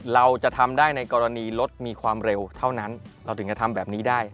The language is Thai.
เราจะทำได้ในกรณีรถมีความเร็วเท่านั้นเราถึงจะทำแบบนี้ได้